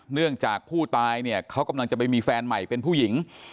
เนื่องจากผู้ตายเนี่ยเขากำลังจะไปมีแฟนใหม่เป็นผู้หญิง